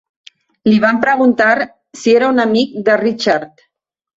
Li vam preguntar si era un amic de Richard.